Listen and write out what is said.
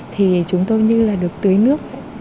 thì chúng tôi như là được tưới nước